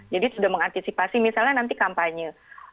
jadi sudah mengantisipasi misalnya nanti kampanye